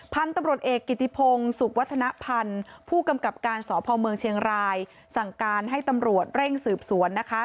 พันธุ์ตำรวจเอกกิติพงศุกร์วัฒนภัณฑ์ผู้กำกับการสพเมืองเชียงรายสั่งการให้ตำรวจเร่งสืบสวนนะคะ